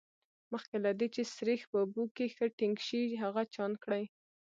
مخکې له دې چې سريښ په اوبو کې ښه ټینګ شي هغه چاڼ کړئ.